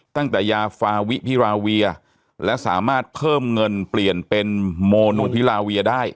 ตั้งแต่ยาฟาวิพิราเวียและสามารถเพิ่มเงินเปลี่ยนเป็นโมนูพิลาเวียได้